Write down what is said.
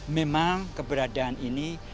memang keberadaan ini